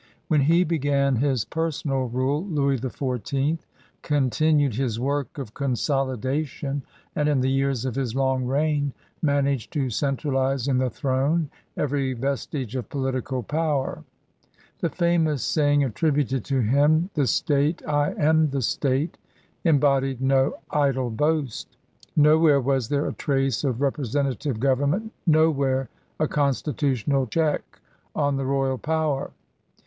When he began his personal rule, Louis XIV continued his work of consolidation and in the years of his long reign managed to centralize in the throne every vestige of political power. The famous saying attributed to him, "'The State! I am the State !*' embodied no idle boast. Nowhere was there a trace of representative government, nowhere a constitutional check on the royal power.